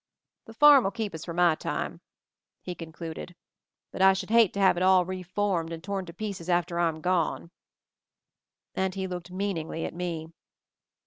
"The farm'll keep us for my time," he concluded; "but I should hate to have it all 'reformed* and torn to pieces after I'm gone." And he looked meaningly at me.